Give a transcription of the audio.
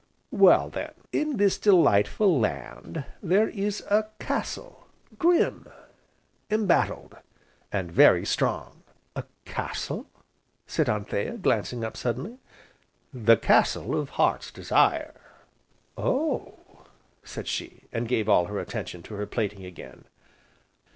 "Well then, in this delightful land there is a castle, grim, embattled, and very strong." "A castle?" said Anthea, glancing up suddenly. "The Castle of Heart's Desire." "Oh!" said she, and gave all her attention to her plaiting again.